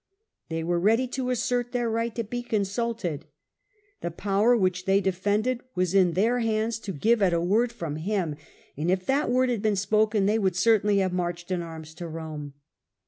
They were ^ ready to assert their right to be consulted. The power which they defended was in their hands to give at a word from him, and if the highest that word had been spoken they would cer tainly have marched in arms to Rome.